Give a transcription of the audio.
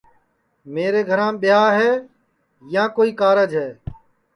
میرے گھرام ٻیاں ہے یا کوئی کارج ہے